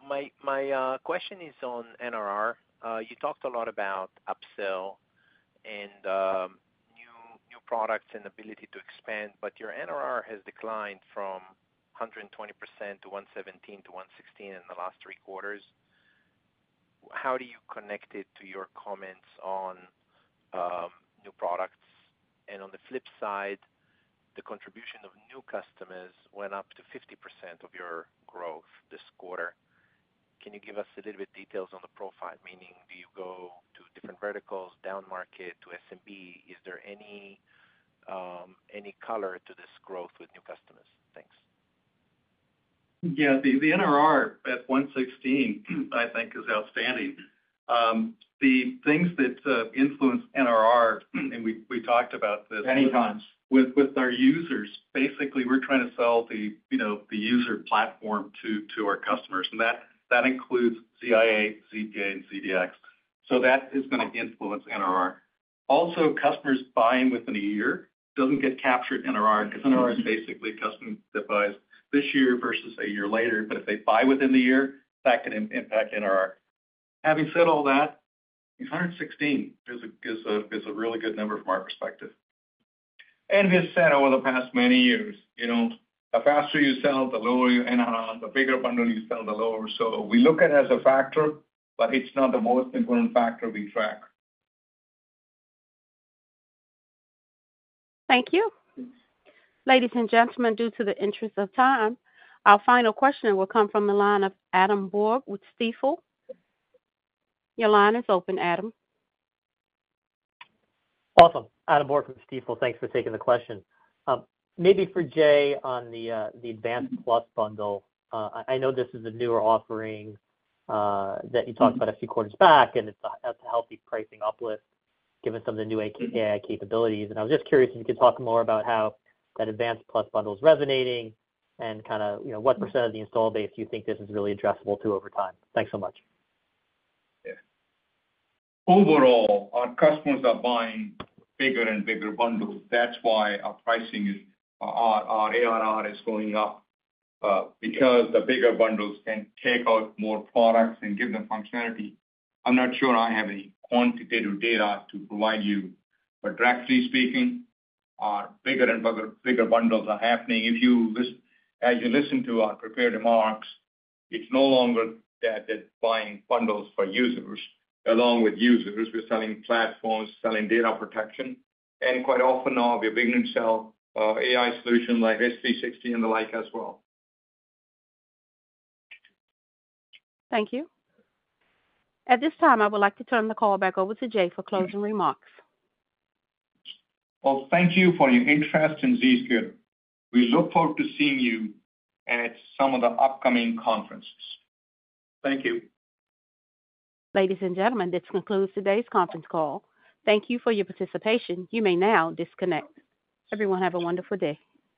My, my question is on NRR. You talked a lot about upsell and new, new products and ability to expand, but your NRR has declined from 120% to 117% to 116% in the last three quarters. How do you connect it to your comments on new products? And on the flip side, the contribution of new customers went up to 50% of your growth this quarter. Can you give us a little bit details on the profile? Meaning, do you go to different verticals, down market, to SMB? Is there any, any color to this growth with new customers? Thanks. Yeah, the NRR at 116, I think, is outstanding. The things that influence NRR, and we talked about this- Many times. With our users, basically, we're trying to sell, you know, the user platform to our customers, and that includes ZIA, ZPA, and ZDX. So that is gonna influence NRR. Also, customers buying within a year doesn't get captured in NRR, because NRR is basically customer revenue this year versus a year later. But if they buy within the year, that can impact NRR. Having said all that, 116 is a really good number from our perspective. We've said over the past many years, you know, the faster you sell, the lower your NRR, the bigger bundle you sell, the lower. So we look at it as a factor, but it's not the most important factor we track. Thank you. Ladies and gentlemen, due to the interest of time, our final question will come from the line of Adam Borg with Stifel. Your line is open, Adam. Awesome. Adam Borg with Stifel, thanks for taking the question. Maybe for Jay, on the Advanced Plus bundle. I know this is a newer offering that you talked about a few quarters back, and it has a healthy pricing uplift given some of the new AI capabilities. And I was just curious if you could talk more about how that Advanced Plus bundle is resonating and kind of, you know, what % of the install base you think this is really addressable to over time. Thanks so much. Yeah. Overall, our customers are buying bigger and bigger bundles. That's why our pricing is—our, our ARR is going up, because the bigger bundles can take out more products and give them functionality. I'm not sure I have any quantitative data to provide you, but generally speaking, our bigger and bigger bundles are happening. If, as you listen to our prepared remarks, it's no longer that they're buying bundles for users. Along with users, we're selling platforms, selling data protection, and quite often now, we are beginning to sell AI solution like Risk 360 and the like as well. Thank you. At this time, I would like to turn the call back over to Jay for closing remarks. Well, thank you for your interest in Zscaler. We look forward to seeing you at some of the upcoming conferences. Thank you. Ladies and gentlemen, this concludes today's conference call. Thank you for your participation. You may now disconnect. Everyone, have a wonderful day.